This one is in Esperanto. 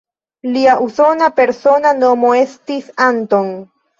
Lia usona persona nomo estis "Anton".